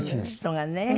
人がね。